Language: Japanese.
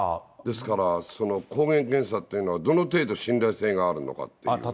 ですから抗原検査っていうのは、どの程度、信頼性があるのかっていう。